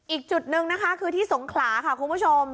อีกจุดหนึ่งนะคะคือที่สงขลาค่ะคุณผู้ชม